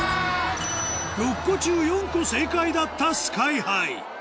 ６個中４個正解だったＳＫＹ−ＨＩ